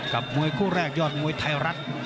กับมวยคู่แรกยอดมวยไทรรัต